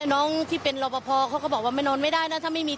น้องที่เป็นรอปภเขาก็บอกว่าไม่นอนไม่ได้นะถ้าไม่มี